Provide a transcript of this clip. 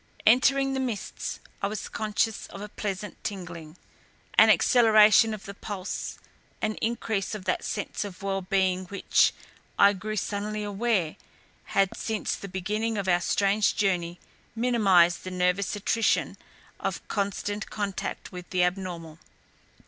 Entering the mists I was conscious of a pleasant tingling, an acceleration of the pulse, an increase of that sense of well being which, I grew suddenly aware, had since the beginning of our strange journey minimized the nervous attrition of constant contact with the abnormal.